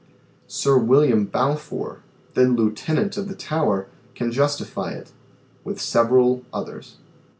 Sir William Balfcre, then Lieutenant of the Tower, can justifie it, with several others.